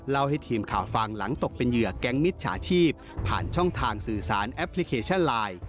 ให้ทีมข่าวฟังหลังตกเป็นเหยื่อแก๊งมิจฉาชีพผ่านช่องทางสื่อสารแอปพลิเคชันไลน์